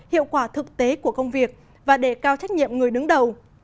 hiệu quả thực tế của công việc và đề cao trách nhiệm người đứng đầu